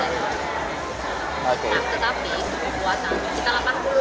nah untuk rp empat dua juta sendiri itu tentunya special item maskot iya visi dan itu dari malaysia